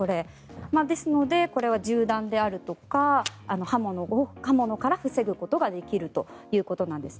ですので、銃弾であるとか刃物から防ぐことができるということです。